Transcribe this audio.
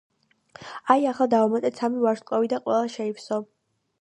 აი, ახლა დავამატეთ სამი ვარსკვლავი და ყველა შეივსო.